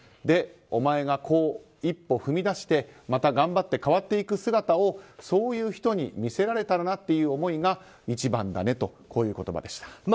で、お前がこう一歩踏み出してまた頑張って変わっていく姿をそういう人に見せられたらなっていう思いが一番だねという言葉でした。